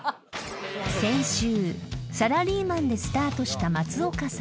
［先週サラリーマンでスタートした松岡さん］